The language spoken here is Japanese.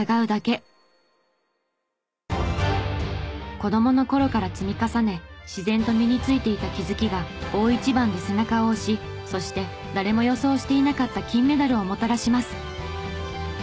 子供の頃から積み重ね自然と身についていた気づきが大一番で背中を押しそして誰も予想していなかった金メダルをもたらします。